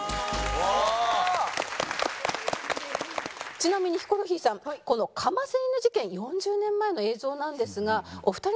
ちなみにヒコロヒーさんこのかませ犬事件４０年前の映像なんですがお二人の関係ご存じですか？